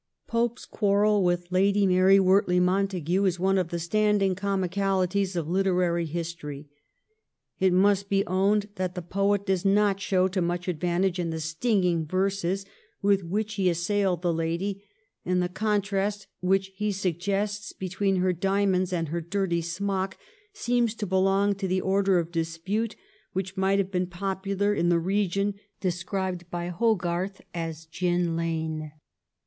Pope's quarrel with Lady Mary Wortley Montagu is one of the standing comicalities of literary history. It must be owned that the poet does not show to much advantage in the stinging verses with which he assailed the lady, and the contrast which he suggests between her diamonds and her dirty smock seems to belong to the order of dispute which might have been popular in the region described by Hogarth as Gin Lane.